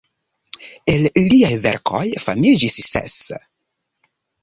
El liaj verkoj famiĝis ses.